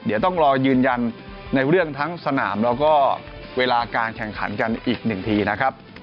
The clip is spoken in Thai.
เดี๋ยวต้องรอยืนยันในเรื่องทั้งสนามแล้วก็เวลาการแข่งขันกันอีกหนึ่งทีนะครับ